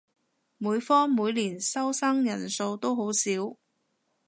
每科每年收生人數都好少